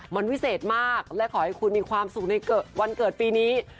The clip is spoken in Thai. มันวิเศษมากและขอให้คุณมีความสุขในวันเกิดปีนี้